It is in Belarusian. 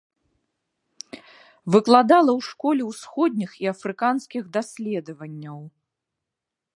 Выкладала ў школе ўсходніх і афрыканскіх даследаванняў.